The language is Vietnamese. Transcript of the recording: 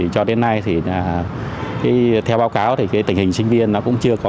cho đến nay theo báo cáo tình hình sinh viên cũng chưa có